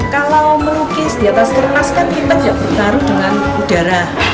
kalau melukis di atas kertas kan kita tidak bertaruh dengan udara